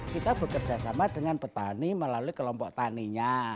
kita bekerjasama dengan petani melalui kelompok taninya